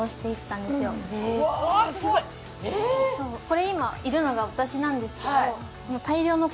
これ今いるのが私なんですけど。